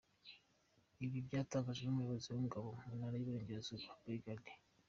Ibi byatangajwe n’Umuyobozi w’Ingabo mu Ntara y’Iburengerazuba Bg.